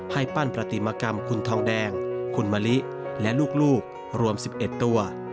ให้ปั้นปฏิมากรรมคุณทองแดงคุณมะลิและลูกรวม๑๑ตัว